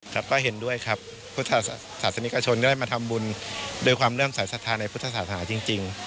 ครับก็เห็นด้วยครับพุทธศาสนิกชนได้มาทำบุญโดยความเริ่มสายศรัทธาในพุทธศาสนาจริง